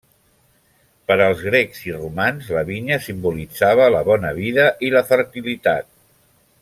Per als grecs i romans la vinya simbolitzava la bona vida i la fertilitat.